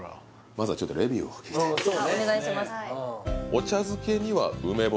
まずはちょっとレビューをお願いします